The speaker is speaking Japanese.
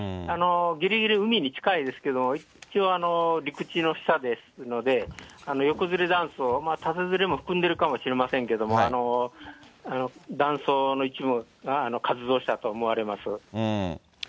ぎりぎり海に近いですけど、一応、陸地の下ですので、横ずれ断層、縦ずれも含んでるかもしれませんけれども、断層の一部が活動したと思われます。